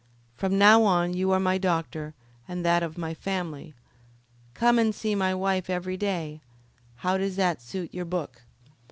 From now on you are my doctor, and that of my family. Come and see my wife every day. How does that suit your book?"